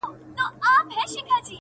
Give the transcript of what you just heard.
ژبه ساده کړې ده